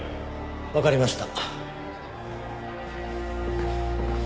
わかりました。